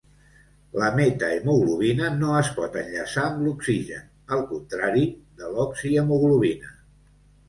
La metahemoglobina no es pot enllaçar amb l'oxigen, al contrari de l'oxihemoglobina.